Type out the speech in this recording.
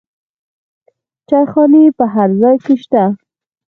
چایخانې په هر ځای کې شته.